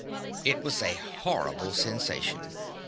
It was a horrible sensation.